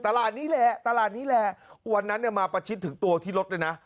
ตลาดนี้แหละตลาดนี้แหละวันนั้นเนี่ยมาประชิดถึงตัวที่รถเลยนะ